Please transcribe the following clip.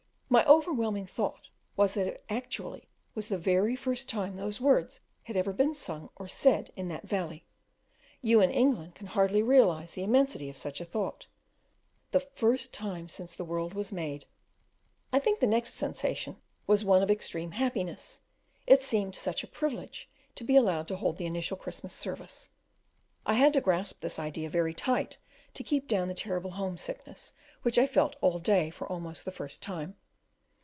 My overwhelming thought was that it actually was the very first time those words had ever been sung or said in that valley you in England can hardly realize the immensity of such a thought "the first time since the world was made." I think the next sensation was one of extreme happiness; it seemed such a privilege to be allowed to hold the initial Christmas service. I had to grasp this idea very tight to keep down the terrible home sickness which I felt all day for almost the first time.